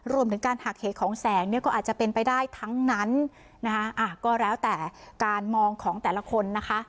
รวมถึงการหักเหของแสงเนี่ยก็อาจจะเป็นไปได้ทั้งนั้นนะคะก็แล้วแต่การมองของแต่ละคนนะคะ